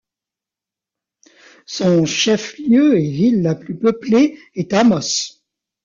Son chef-lieu et ville la plus peuplée est Amos.